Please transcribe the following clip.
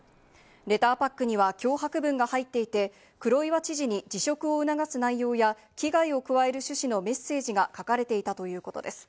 レターパックには脅迫文が入っていて、黒岩知事に辞職を促す内容や危害を加える趣旨のメッセージが書かれていたということです。